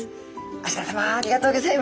蘆田さまありがとうギョざいます！